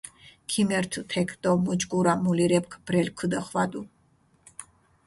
ქიმერთჷ თექ დო მუჯგურა მულირეფქ ბრელქ ქჷდოხვადუ.